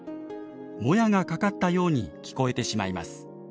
もやがかかったように聞こえてしまいます。